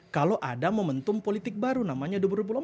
kalau ada momentum politik baru namanya dua ribu empat